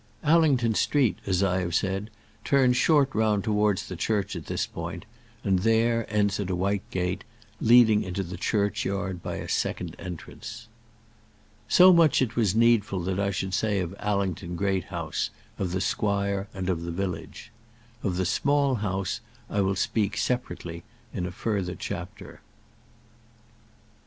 Allington Street, as I have said, turns short round towards the church at this point, and there ends at a white gate, leading into the churchyard by a second entrance. So much it was needful that I should say of Allington Great House, of the Squire, and of the village. Of the Small House, I will speak separately in a further chapter.